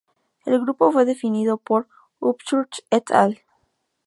El grupo fue definido por Upchurch "et al.